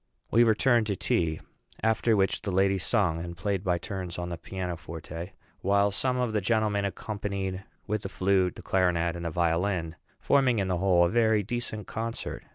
We returned to tea; after which the ladies sung, and played by turns on the piano forte; while some of the gentlemen accompanied with the flute, the clarinet, and the violin, forming in the whole a very decent concert.